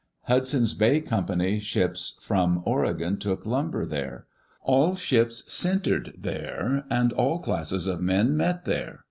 Hudson^s Bay Company ships from Oregon took lumber there. All ships centered there, and all classes of men met there.